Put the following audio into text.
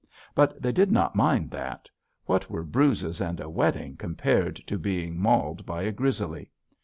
But they did not mind that: what were bruises and a wetting compared to being mauled by a grizzly?